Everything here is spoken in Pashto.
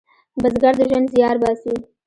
بزګر د ژوند زیار باسي